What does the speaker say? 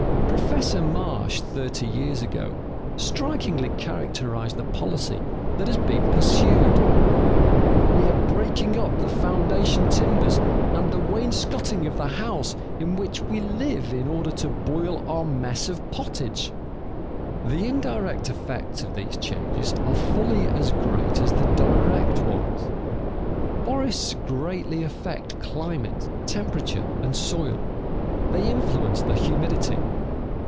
Professor Marsh, thirty years ago, strikingly characterized the policy that has been pursued: "We are breaking up the foundation timbers and the wainscoting of the house in which we live in order to boil our mess of pottage." [Sidenote: Physical effects] The indirect effects of these changes are fully as great as the direct ones. Forests greatly affect climate, temperature, and soil; they influence the humidity.